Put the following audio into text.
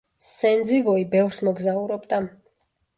სენძივოი ბევრს მოგზაურობდა.